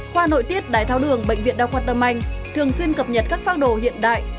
khoa nội tiết đái tháo đường bệnh viện đa khoa tâm anh thường xuyên cập nhật các phác đồ hiện đại